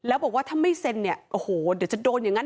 แล้วบอกว่าถ้าไม่เซ็นเนี่ยโอ้โหเดี๋ยวจะโดนอย่างนั้น